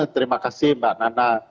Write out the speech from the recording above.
terima kasih mbak nana